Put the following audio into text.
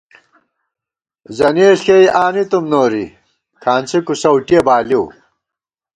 زنېݪ کېئ آنی تُوم نوری، کھانڅی کُوسؤ ٹِیہ بالِیؤ